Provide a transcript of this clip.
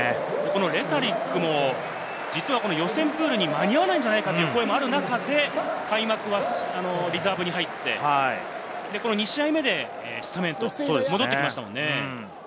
レタリックも予選プールに間に合わないのではないかという声がある中で、開幕はリザーブに入って、２試合目でスタメンと戻ってきました。